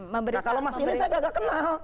nah kalau mas ini saya gak kenal